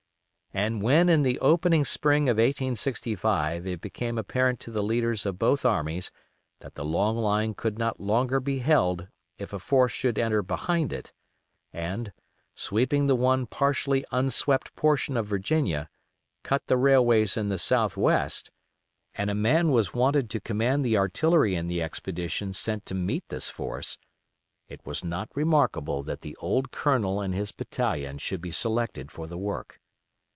And when in the opening spring of 1865 it became apparent to the leaders of both armies that the long line could not longer be held if a force should enter behind it, and, sweeping the one partially unswept portion of Virginia, cut the railways in the southwest, and a man was wanted to command the artillery in the expedition sent to meet this force, it was not remarkable that the old Colonel and his battalion should be selected for the work.